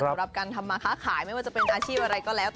สำหรับการทำมาค้าขายไม่ว่าจะเป็นอาชีพอะไรก็แล้ว